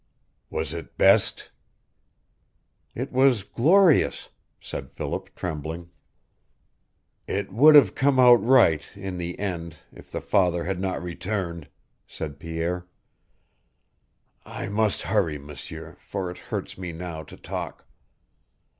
"Was it best?" "It was glorious," said Philip, trembling. "It would have come out right in the end if the father had not returned," said Pierre. "I must hurry, M'sieur, for it hurts me now to talk.